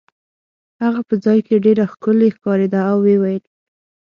هغه په ځای کې ډېره ښکلې ښکارېده او ویې ویل.